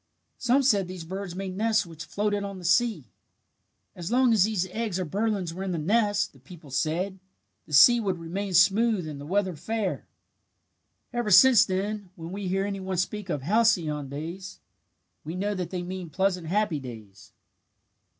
Some said these birds made nests which floated on the sea. "As long as these eggs or birdlings were in the nest, the people said, the sea would remain smooth and the weather fair. "Ever since then, when we hear any one speak of 'halcyon days,' we know that they mean pleasant happy days."